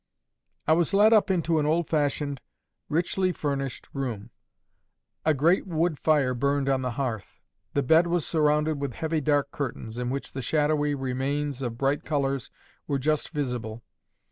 "I was led up into an old fashioned, richly furnished room. A great wood fire burned on the hearth. The bed was surrounded with heavy dark curtains, in which the shadowy remains of bright colours were just visible.